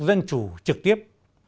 dân chủ trực tiếp